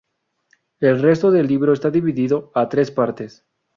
El resto del libro está dividido a tres partes.